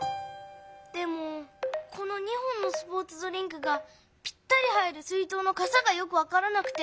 でもこの２本のスポーツドリンクがぴったり入る水とうのかさがよくわからなくて。